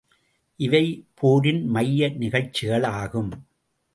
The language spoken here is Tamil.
இவைபோரின் மைய நிகழ்ச்சிகளாகும்.